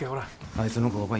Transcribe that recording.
あいつの工場